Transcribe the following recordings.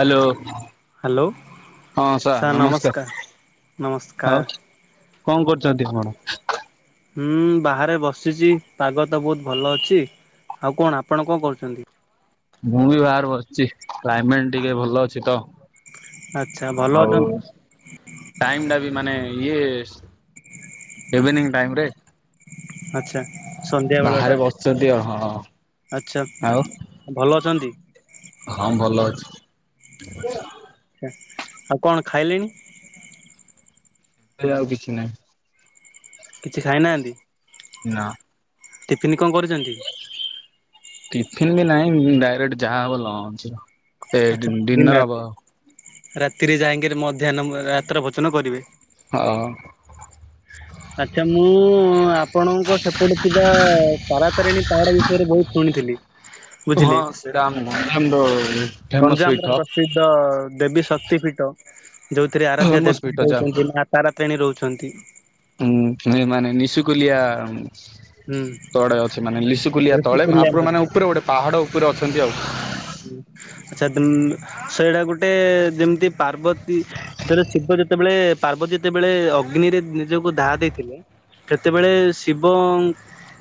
Hello. Hello ହଁ sir ନମସ୍କାର ନମସ୍କାର ଆଉ। କଣ କରୁଛନ୍ତି କଣ? ହୁଁ ବାହାରେ ବସିଛି ପାଗ ତ ବହୁତ ଭଲ ଅଛି। ଆଉ କଣ ଆପଣ କଣ କରୁଛନ୍ତି? ମୁଁ ବି ବାହାରେ ବସିଛି କ୍ଲାଇମେଣ୍ଟ ଟିକେ ଭଲ ଅଛି ତ। ଆଚ୍ଛା ଭଲ ହଉ। ଅଛନ୍ତି ଟାଇମ ଟା ବି ମାନେ ଇଏସ ଇଭିନିଙ୍ଗ ଟାଇମ ରେ। ଆଚ୍ଛା। ସନ୍ଧ୍ୟା ବେଳ ଟା ବାହାରେ ବସିଛନ୍ତି ଆଉ ଆଚ୍ଛା ହଁ। ଆଉ ଭଲ ଅଛନ୍ତି ହଁ ଭଲ ଅଛି। ଆ ଆଉ କଣ ଖାଇଲେଣି? ଥେୟା ଆଉ କିଛି ନାହିଁ। କିଛି ଖାଇନାହାନ୍ତି। ନା। ଟିଫନ୍ କଣ କରିଛନ୍ତି? ଟିଫିନ ବି ନାହିଁ ଉଁ ଡାଇରେକ୍ଟ ଯାହା ହବ ଲଞ୍ଚର। ଆଛା ଡିନର, ରାତିରେ ଯାଇଁକିରି ମଧ୍ୟାହ୍ନ ମ ରାତ୍ର ଭୋଜନ କରିବେ। ହଁ। ଆଚ୍ଛା ମୁଁ ଆପଣଙ୍କ ସେପଟେ ଥିବା ତାରାତାରିଣୀ ପାହାଡ ବିଷୟରେ ବହୁତ ଶୁଣିଥିଲି। ହଁ ବୁଝିଲେ ସେଇଟା ଆମ [unintelligible] ଫେମସ ପୀଠ। ଦ ଦେବୀ ଶକ୍ତି ପୀଠ ଯୋଉଥିରେ ଆରାଧ୍ୟା ଫେମସ ପିଠ ଦେବୀ ଯା ହଉଛନ୍ତି ମା ତାରାତାରେଣୀ ରହୁଛନ୍ତି। ହୁଁ ଏଇ ମାନେ ନିଶୁକୁଲିଆ ହୁଁ। ତଳେ ଅଛି ମାନେ ଲିସୁକୁଲିଆ ତଳେ ଋଷିକୁଲ୍ୟା ମହାପ୍ରଭୁ ନଦୀ। ମାନେ ଉପରେ ଗୋଟେ ପାହାଡ ଉପରେ ଅଛନ୍ତି ଆଉ। ହୁଁ ଆଚ୍ଛା ଦୁମ ସେଇଟା ଗୋଟେ ଯେମିତି ପାର୍ବତୀ ଯେତେବେଳେ ଶିବ ଯେତେବେଳେ ପାର୍ବତୀ ଯେତେବେଳେ ଅଗ୍ନିରେ ନିଜକୁ ଦାହା ଦେଇଥିଲେ ସେତେବେଳେ ଶିବ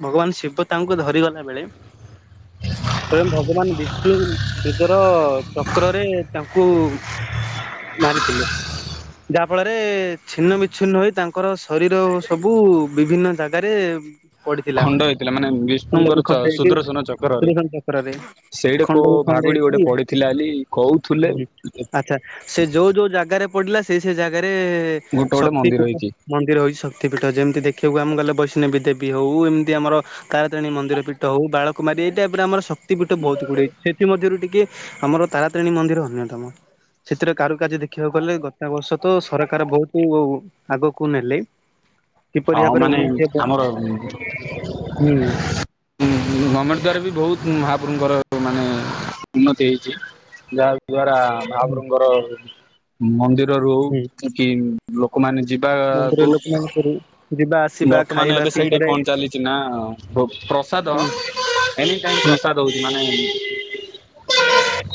ଭଗବାନ ଶିବ ତାଙ୍କୁ ଧରିଗଲାବେଳେ ସ୍ଵୟଂ ଭଗବାନ ବିଶ୍ ଷ୍ଣୁ ନିଜର ଚକ୍ରରେ ତାଙ୍କୁ ମାରିଥିଲେ। ଯାହା ଫଳରେ ଛିନ୍ନ ବିଚ୍ଛିନ୍ନ ହୋଇ ତାଙ୍କର ଶରୀର ସବୁ ବିଭିନ୍ନ ଜାଗାରେ ପଡିଥିଲା, ଖଣ୍ଡ ହେଇଥିଲା ମାନେ ଖଣ୍ଡ ବିଷ୍ଣୁଙ୍କର ଚ ବିଖଣ୍ଡ ହେଇକି ସୁଦର୍ଶନ ଚକ୍ରରେ। ସୁଦର୍ଶନ ଚକ୍ରରେ ସେଇଠି ଖଣ୍ଡ କୋଉ ବିଖଣ୍ଡ ଭାଗୁଡି ଗୋଟେ ହେଇକି, ପଡିଥିଲା ବୋଲି କହୁଥିଲେ। [unintelligible] ଆଛା ସେ ଯୋଉ ଯୋଉ ଜାଗାରେ ପଡିଲା, ସେଇ ସେଇ ଜାଗାରେ ଗୋଟେ ଗୋଟେ ଶକ୍ତି ମନ୍ଦିର ପୀଠ ହେଇଛି ମନ୍ଦିର ହୋଇଛି ଶକ୍ତିପୀଠ, ଯେମିତି ଦେଖିବାକୁ ଆମେ ଗଲେ ବୈଷ୍ଣବୀ ଦେବୀ ହେଉ, ଏମିତି ଆମର ତାରାତାରେଣୀ ମନ୍ଦିର ପୀଠ ହଉ, ବାଳକୁମାରୀ ଏଇ ଟାଇପର ଆମର ଶ କ୍ତି ପୀଠ ବହୁତ ଗୁଡ଼ିଏ, ସେଥିମଧ୍ୟରୁ ଟିକେ ଆମର ତାରାତାରେଣୀ ମନ୍ଦିର ଅନ୍ୟତମ। ସେଥିରେ କାରୁକାର୍ଯ୍ୟ ଦେଖିବାକୁ ଗଲେ ଗତା ବର୍ଷ ତ ସରକାର ବହୁତୁ ଆଗକୁ ନେଲେ। ହଁ, କିପରି ଭାବରେ ମାନେ ଉନ୍ନତି ହେବ ଆମର ହୁଁ ହୁଁ ଗମେଣ୍ଟ ଦ୍ଵାରା ବି ବହୁତ ମହାପ୍ରଭୁଙ୍କର ମାନେ ଉନ୍ନତି ହେଇଛି ଯାହା ହଉ ଦ୍ଵାରା ମହାପ୍ରଭୁଙ୍କର ମନ୍ଦିରରୁ ହଉ ହୁଁ କି କି ଲୋକମାନେ ମନ୍ଦିର ଯିବାକୁ ଲୋକମାନଙ୍କର ଯିବା ଆସିବା ବର୍ତ୍ତମାନ ଖାଇବା ଏବେ ସେଇଠି ପିଇବାରେ କଣ ଚାଲିଛି ନା ପ୍ ପ୍ରସାଦ ହୁଁ ଏନିଟାଇମ୍ ହୁଁ ପ୍ରସାଦ ହଉଛି, ମାନେ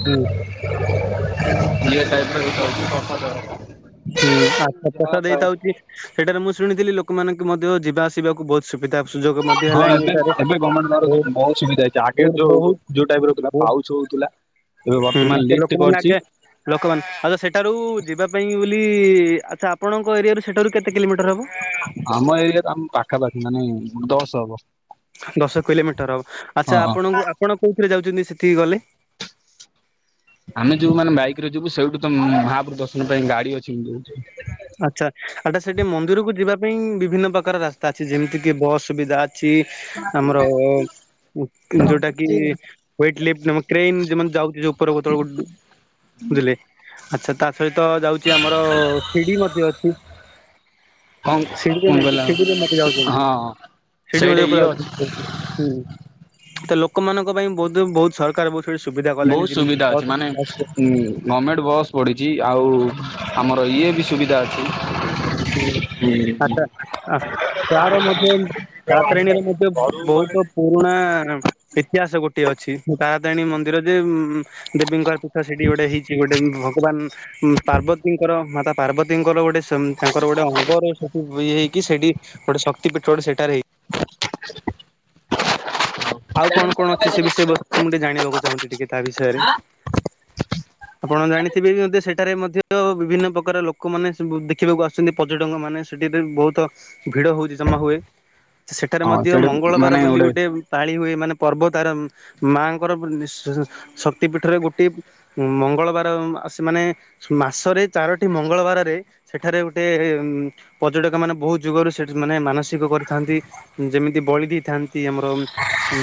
ହୁଁ। ଇଏ ଟାଇପର ବିକା ହଉଚି ପ୍ରସାଦ ହୁଁ ଆଛା ଆଉ ଆଚ୍ଛା ଯାହା ପଇସା ଥାଏ ଦେଇଥାଉଚଛି ସେଇଟାରେ ମୁଁ ଶୁଣିଥିଲି ଲୋକମାନଙ୍କୁ ମଧ୍ୟ ଯିବା ଆସିବାକୁ ବହୁତ ସୁବିଧା ସୁଯୋଗ ମଧ୍ୟ ହଁ ହେଲାଣି ଏବେ ଏଠାରେ ଏବେ ଗମେଣ୍ଟ ରୋଡ ତରଫରୁ ବହୁତ ସୁବିଧା ହେଇଛି, ଆଗେ ରୋଡ ଯୋଉ ବହୁତ ଯୋଉ ଟାଇପର ରହୁଥିଲା ହୁଁ ପାଉଚ ହଉଥିଲା ଏବେ ବର୍ତ୍ତମାନ ଲିଫଟ ଲୋକମାନେ କରିଛି ଆଗେ ଲୋକମାନେ, ଆଚ୍ଛା ସେଠାରୁ ଯିବା ପାଇଁ ବୋଲି ଆଚ୍ଛା ଆପଣଙ୍କ ଏରିଆରୁ ସେଠାରୁ କେତେ କିଲୋମିଟର ହେବ? ଆମ ଏରିଆର ତ ଆମ୍ ପା ପାଖାପାଖି ମାନେ ଦଶ ହବ। ଦଶ କିଲୋମିଟର ହବ ହଁ ଆଚ୍ଛା ହଁ ଆପଣଙ୍କୁ ଆପଣ କୋଉଥିରେ ଯାଉଛନ୍ତି ସେଠିକି ଗଲେ? ଆମେ ଯୋଉ ମାନେ ବାଇକରେ ଯିବୁ ସେଇଠୁ ତ ଉଁ ମହାପୁରୁ ଦର୍ଶନ ପାଇଁ ଗାଡି ଅଛି ଯୋ ଆଚ୍ଛା ଆଟା ସେଠି ମନ୍ଦିରକୁ ଯିବା ପାଇଁ ବିଭିନ୍ନ ପ୍ରକାର ରାସ୍ତା ଅଛି ଯେମିତି କିି ବସ୍ ସୁବିଧା ଛି ଆମର ଉ ଯୋଉଟା କି ୱେଟ ଲିଫ୍ଟ ନମକ୍ରେନ୍ ଯେଉଁମାନେ ଯାଉଛି ଯୋଉ ଉପରକୁ ତଳକୁ ବୁଝିଲେ, ଆଚ୍ଛା ତା ସହିତ ଯାଉଛି ଆମର ଶିଡି ମଧ୍ୟ ଅଛି। କଣ କଣ ସିଡିରେ ମୁଁ କହିଲା ସିଡ଼ିରେ ମତେ ଯାଉଛନ୍ତି ହଁ। ସିଡି ସେଇଟା ମଧ୍ୟ ଇଏ ଉପରେ ଆ ଅଛି ହୁଁ ତ ଲୋକମାନଙ୍କ ପାଇଁ ବୋଧ ହୁଏ ବହୁତ ସର [unintelligible] ମୋର ଫେରେ ସୁବିଧା କଲେଣି ବହୁତ ଯେମିତି ସୁବିଧା ଅଛି, ମାନେ ବସ୍ ହୁଁ ଗଭର୍ଣ୍ଣମେଣ୍ଟ ବସ୍ ପଢ଼ିଛି, ଆଉ ଆମର ଇଏ ବି ସୁବିଧା ଅଛି। ହୁଁ ଆଛା ଆ ତାର ମଧ୍ୟ ତାରାତାରିଣୀରେ ମଧ୍ୟ ବହୁତ ପୁରୁଣା ଇତିହାସ ଗୋଟେ ଅଛି ତାରାତାଣୀ ମନ୍ଦିର ଯେ ଉଁ ଦେବୀଙ୍କର ପୀଠ ସେଠି ଗୋଟେ ହେଇଛି ଗୋଟେ ଭଗବାନ ଉଁ ପାର୍ବତୀଙ୍କର ମାତା ପାର୍ବତୀଙ୍କର ଗୋଟେ ସମ୍ ତାଙ୍କର ଗୋଟେ ଅଙ୍ଗର ସେଠି ଧୋଇ ହେଇକି ସେଠି ଗୋଟେ ଶକ୍ତି ପୀଠ ଗୋଟେ ସେଟାରେ ହେଇଛି। [inaudible] ଆଉ କଣ କଣ ଅଛି ସେ ବିଷୟ ମୁଁ ଟିକେ ଜାଣିବାକୁ ଚାହୁଁଛି ଟିକେ ତା ବିଷୟରେ? ଆପଣ ଜାଣିଥିବେ ବି ମଧ୍ୟ ସେଠାରେ ମଧ୍ୟ ବିଭିନ୍ନ ପ୍ରକାର ଲୋକମାନେ ସବୁ ଦେଖିବାକୁ ଆସୁଛନ୍ତି। ପର୍ଯ୍ୟଟକ ମାନେ ସେଠିରେ ବହୁତ ଭିଡ ହଉଛି ଜମା ହୁଏ। ସେଠାରେ ହଁ ମଧ୍ୟ ସେଇଠି ମଙ୍ଗଳବାର ମାନେ ବୋଲି ଗୋଟେ ପାଳି ହୁଏ ମାନେ ପର୍ବତାର ମାଙ୍କର ସ ଶକ୍ତି ପୀଠରେ ଗୋଟଏ ଉ ମଙ୍ଗଳବାର ସେମାନେ ମାସରେ ଚାରୋଟି ମଙ୍ଗଳବାରରେ ସେଠାରେ ଗୋଟେ ପର୍ଯ୍ୟଟକ ମାନେ ବହୁତ ଯୁଗରୁ ସେ ମାନେ ମାନସିକ କରିଥାନ୍ତି। ଯେମିତି ବଳି ଦେଇଥାନ୍ତି ଆମର। ଉ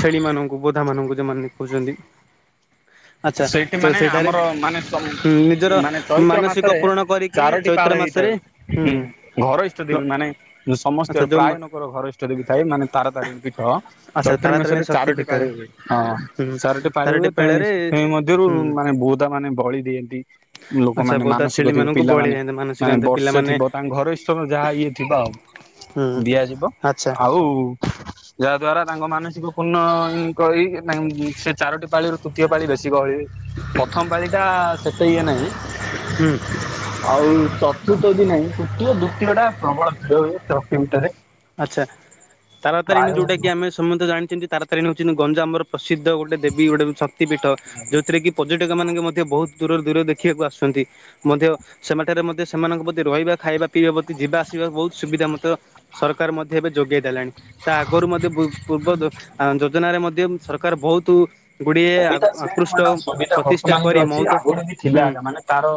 ଛେଳି ମାନଙ୍କୁ ବୋଧା ମାନଙ୍କୁ ଯମାନେ ଦେଖାଉଛନ୍ତି। ଆଚ୍ଛା ସେଇଠି ତ ମାନେ ସେଠାରେ ଆମର ମାନେ ନିଜର ମାନେ ଚୈତ୍ର ମାନସିକ ମାସରେ ପୂରଣ କରିକିରି ଚାରୋଟି ପାଳ ଚୈତ୍ର ହେଇଥାଏ। ମାସରେ ହୁଁ ଘର ଇଷ୍ଟ ଦେବୀ ମାନେ ଆଚ୍ଛା ସମସ୍ତ ଯୋଉ ପ୍ରାୟ ର ଘର ଇଷ୍ଟ ଦେବୀ ଥାଏ, ମାନେ ତାର ତାରିଣୀ ପୀଠ। ଆଚ୍ଛା ଚୈତ୍ର ତାରାତାରିଣୀ ମାସରେ ଶକ୍ତି ଚାରୋଟି ପାଳି ପୀଠରେ ହୁଏ ହଁ ହୁଁ ଚାରୋଟି ପାଳି ତାରଟି ହୁଏ, ତେ ପେଳରେ ସେଇ ମଧ୍ୟରୁ ହୁଁ ମାନେ ବୋଦା ମାନେ ବଳି ଦିଅନ୍ତି ଆଚ୍ଛା ଲୋକମାନେ ବୋଦା ମାନସିକ ଛେଳି ଥିବ ମାନଙ୍କୁ ବଳି ପିଲାମାନେ। ଯାଆନ୍ତି ମାନେ ମାନସିକାନ୍ତ ବର୍ଷେ ପିଲାମାନେ ଥିବ ତାଙ୍କ ଘର ଇସ୍ ଯାହା ଇଏ ଥିବ ଆଉ। ହୁଁ ଦିଆଯିବ ଆଚ୍ଛା ଆଉ। ଯାହା ଦ୍ଵାରା ତାଙ୍କ ମାନସିକ ପୂର୍ଣ୍ଣ ଇଁ କରି ସେ ଚାରୋଟି ପାଳି ର ତୃତୀୟ ପାଳି ବେଶ କି ଗହଳି ପ୍ରଥମ ପାଳି ଟା ସେତେ ଇଏ ନାହିଁ। ହୁଁ। ଆଉ ଚତୁର୍ଥଦି ନହିଁ ତୃତୀୟ ଦ୍ଵିତୀୟ ଟା ପ୍ରବଳ ଭିଡ ହୁଏ ଚକ୍ଷ ଭିତରେ। ଆଚ୍ଛା ତାରାତାରିଣୀ ଯୋଉଟା କି ଆମେ ସମସ୍ତେ ଜାଣିଛନ୍ତି ତାରାତାରିଣୀ ହଉଛନ୍ତି ଗଞ୍ଜମ ର ପ୍ରସିଦ୍ଧ ଗୋଟେ ଦେବୀ ଗୋଟେ ଶକ୍ତି ପୀଠ ଯୋଉଥିରେ କି ପର୍ଯ୍ୟଟକ ମାନଙ୍କେ ମଧ୍ୟ ବହୁତ ଦୂରରୁ ଦୂର ଦେଖିବାକୁ ଆସୁଛନ୍ତି। ମଧ୍ୟ ସେମାନେଠାରେ ମଧ୍ୟ ସେମାନଙ୍କ ପ୍ରତି ରହିବା ଖାଇବା ପିଇବା ପ୍ରତି ଯିବା ଆସିବା ବହୁତ ସୁବିଧା ମଧ୍ୟ ସରକାର ମଧ୍ୟ ଏବେ ଯୋଗେଇ ଦେଲେଣି। ତା ଆଗରୁ ମଧ୍ୟ ବୁ ପୂର୍ବ ଯୋଜନାରେ ମଧ୍ୟ ସରକାର ବହୁତ ଗୁଡ଼ିଏ ସବିତା ସେଣ ଆକୃଷ୍ଟ ମ ସବିତା ପ୍ରତିଷ୍ଠା ବର୍ତ୍ତମାନ କରି ବି ବହୁତ ଅଛି ଆଗରୁ ବି ହୁଁ ଥିଲା ମାନେ ତାର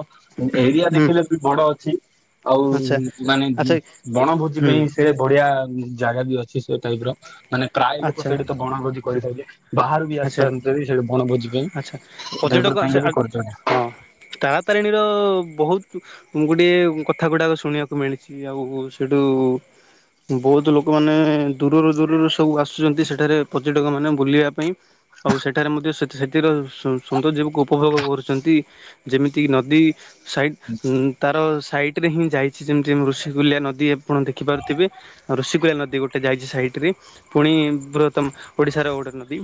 ଏରିଆ ହୁଁ ଦେଖିଲେ ବି ବଡ ଅଛି। ଆଉ ଆଚ୍ଛା ମାନେ ଆଚ୍ଛା ବଣଭୋଜି ହୁଁ ପାଇଁ ସେ ପଡିଆ ଜାଗା ବି ଅଛି ସେ ଟାଇପ ର ମାନେ ପ୍ରାୟ ଲୋକ ଆଚ୍ଛା ସେଇଠି ତ ବଣ ଭୋଜି କରି ଖାଇଲେ। ବାହାରୁ ବି ଆଚ୍ଛା ଆସିପାରନ୍ତି ସେଠି ବଣ ଭୋଜି ପାଇଁ ଆଚ୍ଛା ଡାଇର ତାଙ୍କେ ବି କରିଚ ନି। ତାରାତାରିଣୀର ବହୁତ ମୁଁ ଗୋଟେ କଥା ଗୁଡାକ ଶୁଣିବାକୁ ମିଳିଛି, ଆଉ ସେଇଠୁ ବହୁତ ଲୋକମାନେ ଦୂରରୁ ଦୂରରୁ ସବୁ ଆସୁଛନ୍ତି ସେଠାରେ ପର୍ଯ୍ୟଟକ ମାନେ ବୁଲିବା ପାଇଁ। ଆଉ ସେଠାରେ ମଧ୍ୟ ସେଥି ସେଥିର ସୌନ୍ଦର୍ଯ୍ୟବକୁ ଉପଭୋଗ କରୁଛନ୍ତି। ଯେମିତି କି ନଦୀ। ସାଇଟ ଉଁ ତାର ସାଇଟରେ ହିଁ ଯାଇଛି ଯେମିତି ଋଷିକଲ୍ୟା ନଦୀ। ଆପଣ ଦେଖି ପାରୁଥିବେ ଉ ଋଶିକୁଲ୍ୟାନଦୀ ଗୋଟେ ଟ ଯାଇଛି ସାଇଟ ରେ ପୁଣି ବୃହତମ ଓଡିଶାର ଗୋଟେ ନଦୀ।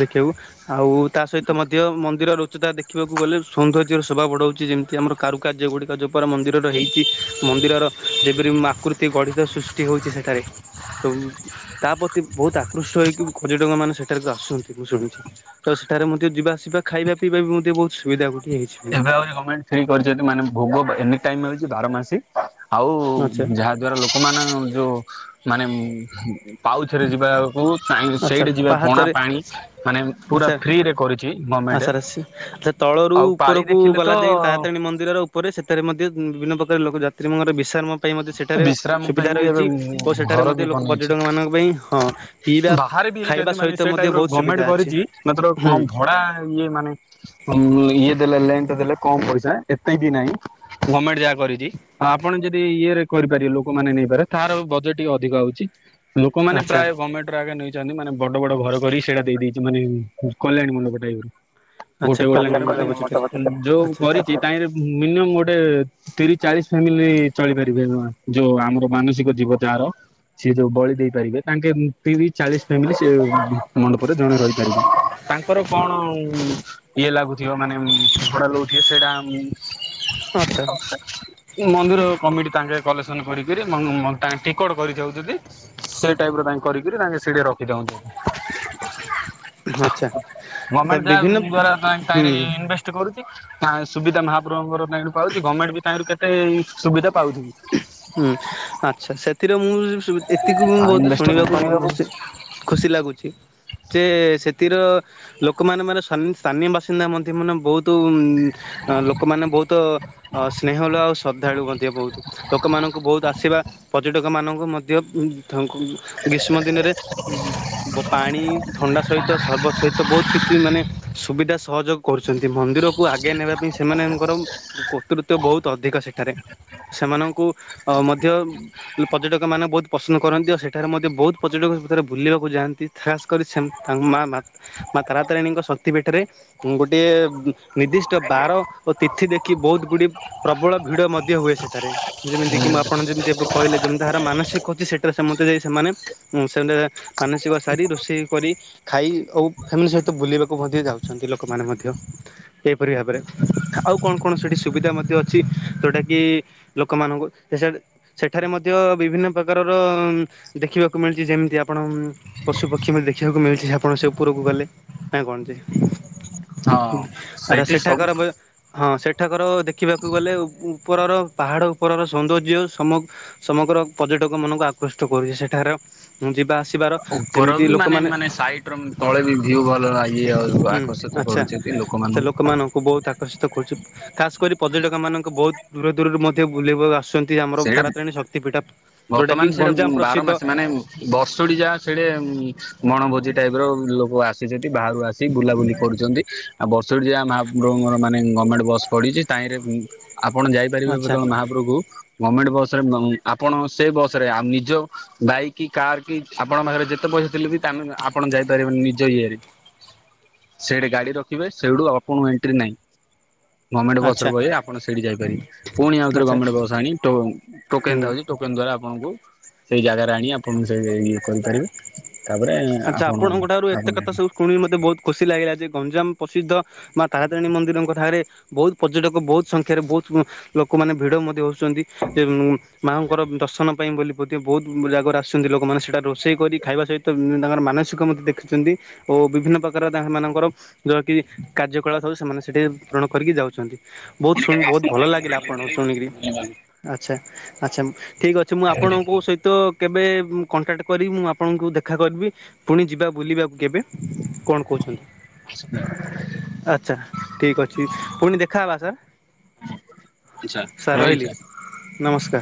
ଦେଖିବାକୁୁ। ଆଉ ତା ସହିତ ମଧ୍ୟ ମନ୍ଦିର ଉଚତା ଦେଖିବାକୁ ଗଲେ ସୌନ୍ଦର୍ଯ୍ୟର ଶୋଭା ବଢଉଛି ଯେମିତି ଆମର କାରୁକାର୍ଯ୍ୟ ଗୁଡ଼ିକ ଯେଉଁପାର ମନ୍ଦିରର ହେଇଛି ମନ୍ଦିରର ଯେପରି ଆକୃତି ଗଢ଼ିତ ସୃଷ୍ଟି ହଉଛି ସେଠାରେ ତ ତା ପ୍ରତି ବହୁତ ଆକୃଷ୍ଟ ହେଇକି ପର୍ଯ୍ୟଟକ ମାନେ ସେଠାରେ ଆଶୁଛନ୍ତି ମୁଁ ଶୁଣିଛି, ଆ ସେଠାରେ ମଧ୍ୟ ଯିବା ଆସିବା ଖାଇବା ପିଇବା ବି ମଧ୍ୟ ବହୁତ ସୁବିଧା ହୁଏ। ଏବେ ଆହୁ ଗଭଣେଣ୍ଟ ଫ୍ରି କରିଛନ୍ତି ମାନେ ଭୋଗ ଏନି ଟାଇମ ହେଛି ବାର ମାସି। ଆଉ ଆଚ୍ଛା। ଯାହା ଦ୍ଵାରା ଲୋକମାନେ ଯୋଉ ମାନେ ପାଉଛରେ ଯିବାକୁ ଆଚ୍ଛା ସେଇଠି ଯିବେ ପଣା ପାହାଚରେ ପାଣି ମାନେ ପୁରା ଆଚ୍ଛା ଫ୍ରିରେ କରୁଚି ଗମେଣ୍ଟ। ଆଚ୍ଛା ତଳରୁ ଆଉ ପାଳି ଉପରକୁ ଦେଖିଲେ ତ ଗଲା ଯାଏଁ ତାରାତାରିଣୀ ମନ୍ଦି ର ଉପରେ ସେଠାରେ ମଧ୍ୟ ବିଭିନ୍ନ ପ୍ରକାର ଲୋକ ଯାତ୍ରୀମାଙ୍କର ବିଶ୍ରାମ ପାଇଁ ମଧ୍ୟ ସେଠାରେ ବିଶ୍ରାମ ପାଇଁ ସୁବିଧା ବି ଏବେ ରହିଚି ଓ ସେଠାରେ ଘର ମଧ୍ୟ ବି ଲୋକ ବନେଇଛି। ପର୍ଯ୍ୟଟକମାନଙ୍କ ହଁ ପିଇବା ବାହାରେ ବି ଖାଇବା ହେଇଛନ୍ତି ମାନେ ସହିତ ସେ ମଧ୍ୟ ବୋହୁତ ସୁବିଧା ଅଛି ହୁଁ। ଖରା ଇଏ ମାନେ ଇଏ ଦେଲେ [unintelligible] ଦେଲେ କମ୍ ପଇସା ଏତେ ବି ନାହିଁ। ଗମେଣ୍ଟ ଯାହା କରିଚି ଆପଣ ଯଦି ଇଏ କରିପାରିବେ ଲୋକମାନେ ନେଇପାରେ ତାର ବଜେଟ୍ ଟିକେ ଅଧିକ ଆଉଚୀ। ଲୋକମାନେ ଆଚ୍ଛା ପ୍ରାୟ ଗମେଣ୍ଟର ଆଗେ ନେଇ ଚନ୍ତି ମାନେ ବଡ ବଡ ଘର କରିକି ସେଇଟା ଦେଇ ଦେଇଚି ମାନେ କଲ୍ୟାଣୀ ମଣ୍ଡପ ଟାଇପର। ଆଚ୍ଛା ଗୋଟେ ଗୋଟେ କଲ୍ୟାଣୀ ମଣ୍ଡପ ସେଠାରେ ଯୋଉ ଆଚ୍ଛା କରିଚି। ତାହିଁରେ ମିନିମମ୍ ଗୋଟେ ତିରିଶ ଚାଳିଶ ଫ୍ୟାମିଲି ଚଳିବେ। [unintelligible] ଯୋଉ ଆମର ମାନସିକ ଥିବ ଯାହାର। ସିଏ ଯୋଉ ବଳି ଦେଇପାରିବେ ତାଙ୍କେ [unintelligible] ଚାଳିଶ ଫ୍ୟାମିଲି ସେ ମଣ୍ଡପରେ ଜଣେ ରହିପାରିବେ। ତାଙ୍କର କଣ ଇଏ ଲାଗୁଥିବ ମାନେ ଭଡା ଲୋଉଥିବେ ସେଇଟା ଉଁ। ଆଚ୍ଛା ମନ୍ଦିର କମିଟି ତାଙ୍କେ କଲେକ୍ସନ କରିକିରି ତାଙ୍କେ ଟିକଟ କରିଯାଉଚନ୍ତି। ସେଇ ଟାଇପର ତାଙ୍କେ କରିକି ତାଙ୍କେ ସେ [unintelligible] ରଖିଥାଉନ୍ତୁ। ଆଚ୍ଛା। ଗମେଣ୍ଟ ବିଭିନ୍ନ ଯାହା ଦ୍ଵାରା ତାଇଁ [unintelligible] ତାହିଁରେ ହୁଁ। ଇନଭେଷ୍ଟ କରୁଚି ତାଇଁ ସୁବିଧା ମହାପ୍ରଭୁଙ୍କର ତହିଁରୁ ପାଉଚି ଗମେଣ୍ଟ ବି ତାହିଁରୁ କେତେ ସୁବିଧା ପାଉଥିବି। ହୁଁ ଆଚ୍ଛା ସେଥିରେ ମୁଁ [unintelligible] ଏତିକି ମୁଁ ଆଉ ବୋହୁତ ଇନଭେଷ୍ଟ କମ୍ପାନୀ ବାବୁ ଶୁଣିବାକୁ ଖୁସି ଲାଗୁଚି। ସେ ସେଥିର ଲୋକମାନେ ମାନେ ସାନି ସ୍ଥାନୀୟ ବାସିନ୍ଦା ମଧ୍ୟ ମାନେ ବୋହୁ ତୁ ଲୋକମାନେ ବୋହୁତ‌ଅ ସ୍ନେହଳୁ ଆଉ ଶ୍ରଦ୍ଧାଳୁ ମଧ୍ୟ ବୋହୁତ। ଲୋକମାନଙ୍କୁ ବୋହୁତ ଆସିବା ପର୍ଯ୍ୟଟକମାନଙ୍କୁ ମଧ୍ୟ ତାଙ୍କୁ ଗ୍ରୀଷ୍ମ ଦିନରେ ବ ପାଣି ଥଣ୍ଡା ସହିତ ସରବତ ସହିତ ବୋହୁତ କିଛି ମାନେ ସୁବିଧା ସହଯୋଗ କରୁଚନ୍ତି ମନ୍ଦିରକୁ ଆଗେଇ ନେବା ପାଇଁ ସେମାନେଙ୍କର କତୃତ୍ୱ ବୋହୁତ ଅଧିକ ସେଠାରେ ସେମାନଙ୍କୁ ମଧ୍ୟ ପର୍ଯ୍ୟଟକମାନେ ବୋହୁତ ପସନ୍ଦ କରନ୍ତି। ଆଉ ସେଠାରେ ମଧ୍ୟ ବୋହୁତ ପର୍ଯ୍ୟଟକ ସେଇ ଭିତରେ ବୁଲିବାକୁ ଯାଆନ୍ତି। ଖାସ୍ କରି ସେ ତାଙ୍କ ମା-ମା ମାତାରାତାରିଣୀଙ୍କ ଶକ୍ତିପୀଠରେ ଗୋଟିଏ ନିର୍ଦ୍ଦିଷ୍ଟ ବାର ଓ ତିଥି ଦେଖି ବୋହୁତଗୁଡି ପ୍ରବଳ ଭିଡ ମଧ୍ୟ ହୁଏ ସେଠାରେ। ଯେମିତି କି ଆପଣ ଯେମିତି ଏବେ କହିଲେ ଯେମିତି ତାହାର ମାନସିକ ଅଛି ସେଠାରେ ସମସ୍ତେ ଯାଇ ସେମାନେ ଉଁ [unintelligible] ମାନସିକ ସାରି ରୋଷେଇ କରି ଖାଇ ଆଉ ଫ୍ୟାମିଲି ସହିତ ବୁଲିବାକୁ ମଧ୍ୟ ଯାଉଚନ୍ତି ଲୋକମାନେ ମଧ୍ୟ। ଏହିପରି ଭାବରେ ଆଉ କଣ କଣ ସେଠି ସୁବିଧା ମଧ୍ୟ ଅଛି। ଯୋଉଟା କି ଲୋକମାନଙ୍କୁ ସେ ସିଆଡେ ସେଠାରେ ମଧ୍ୟ ବିଭିନ୍ନ ପ୍ରକାରର ଦେଖିବାକୁ ମିଳିଚି ଯେମିତି ଆପଣ ପଶୁ ପକ୍ଷୀ [unintelligible] ଦେଖିବାକୁ ମିଳିଚି ଆପଣ ସେ ଉପରକୁ ଗଲେ ନା କଣ ଯେ। ହଁ ଆରେ ସେଇଠି ସବୁ ସେଠାକାର ବେ ହଁ ସେଠାକାର ଦେଖିବାକୁ ଗଲେ ଉ-ଉପରର ପାହାଡ ଉପରର ସୌନ୍ଦର୍ଯ୍ୟ ସମ ସମଗ୍ର ପର୍ଯ୍ୟଟକମାନଙ୍କୁ ଆକୃଷ୍ଟ କରୁଚି। ସେଠାରେ ଯିବା ଆସିବାର ଉପର ଯେମିତି ବି ମାନେ ଲୋକମାନେ ମାନେ ସାଇଟିର ତଳେ ଭିଉ ଭଲ ଲାଗି ଆଉ ଆକର୍ଷିତ କରୁଚି। ଏଇ ଲୋକମାନଙ୍କୁ। ବୋହୁତ ଆକର୍ଷିତ କରୁଚି। ଖାସ କରି ପର୍ଯ୍ୟଟକମାନଙ୍କୁ ବୋହୁତ ଦୂର ଦୂରରୁ ମଧ୍ୟ ବୁଲିବାକୁ ଆସୁଚ ନ୍ତି ଆମର ସେଇଟା ତାରାତାରିଣୀ ଶକ୍ତି ପୀଠ। ଯୋଉଟା କି ଗଞ୍ଜାମ ପ୍ରସିଦ୍ଧ। ବର୍ଷୁଳି ଯାହା ସେଇଠି ବଣଭୋଜି ଟାଇପର ଲୋକ ଆସ ସେ ଯଦି ବାହାରୁ ଆସିିକି ବୁଲାବୁଲି କରୁଚନ୍ତି। ଆଉ ବର୍ଷୁଡି ମାହା ମହାପ୍ରଭୁଙ୍କ ମାନେ ଗଭମେଣ୍ଟ୍ ବସ୍ ପଡିିଚି ତାହିଁରେ ଆପଣ ଯାଇପାରିବେ ଆଚ୍ଛା କେତବେଳେ ମାହା ପୁରୁକୁ ଗମେଣ୍ଟ୍ ବସ୍ ରେ ଆପଣ ସେ ବସ୍ ରେ ନିଜ ବାଇକ୍ କି କାର୍ କି ଆପଣଙ୍କ ପାଖରେ ଯେତେ ପଇସା ଥିଲେ ବି ତା ନେ ଆପଣ ଯାଇପାରିବେନି ନିଜ ଇଏରେ। ସେଇଠି ଗାଡି ରଖିବେ ସେଇଠୁ ଆପଣୁ ଏଣ୍ଟ୍ରି ନାହିଁ। ଗମେଣ୍ଟ ଆଚ୍ଛା ବସରେ ବଇ ଆପଣ ସେଇଠି ଯାଇପାରିବେ। ପୁଣି ଆଉଥରେ ଆଚ୍ଛା ଗଭର୍ଣ୍ଣମେଣ୍ଟ୍ ବସ୍ ଆଣି ଟୋ ଟୋକେନ ହୁଁ। ଥାଉଚି ଟୋକନ୍ ଦ୍ଵାରା ଆପଣଙ୍କୁ ସେଇ ଜାଗାରେ ଆଣି ଆପଣଙ୍କୁ ସେ ଇଏ କରିପାରିବେ। ତାପରେ ଆପଣୁ ଆ ଶୁଣିକି ମୋତେ ବହୁତ ଖୁସି ଲାଗିଲା ଯେ, ଗଞ୍ଜାମ ପ୍ରସିଦ୍ଧ ମା ତାରାତିଣୀ ମନ୍ଦିରଙ୍କ ଠାରେ ବୋହୁତ୍ ପର୍ଯ୍ୟଟକ ବୋହୁତ୍ ସଂଖ୍ୟାରେ ବୋହୁତ୍ ଲୋକମାନେ ଭିଡ ମଧ୍ୟ ହୋଉଚନ୍ତି। ମାଆଙ୍କର ଦର୍ଶନ ପାଇଁ ବୋଲି ବୋଧେ ବୋହୁତ ଜାଗାରୁ ଆସୁଚନ୍ତି ଲୋକମାନେ ସେଇଟା ରୋଷେଇ କରି ଖାଇବା ସହିତ ତାଙ୍କର ମାନସିକ ମଧ୍ୟ ଦେଖିଛନ୍ତି ଓ ବିଭିନ୍ନ ପ୍ରକାର ତା ହେମାନଙ୍କର ଯୋହାକି କାର୍ଯ୍ୟ କଳାପ ସବୁ ସେମାନେ ସେଠି ପୂରଣ କରିକି ଯାଉଚନ୍ତି। ବୋହୁତ୍ ଶୁଣ୍ ବୋହୁତ୍ ଭଲ ଲାଗିଲା ଆପଣଙ୍କୁ ଶୁଣିକି। ଆଚ୍ଛା ଆଚ୍ଛା ଠିକ ଅଛି ମୁଁ ଆପଣଙ୍କ ସ ତ କେବେ କଣ୍ଟାଟ୍ କରିକି ମୁଁ ଆପଣଙ୍କୁ ଦେ ଦେଖା କରିବି ପୁଣି ଯିବା ବୁଲିବାକୁ କେବେ କଣ କୋହୁଛନ୍ତି? ଆଛା ଠିକ୍ ଅଛି ପୁଣି ଦେଖାହବା ସାର୍। ଇଛା ହଁ ଇଛା ନମସ୍କା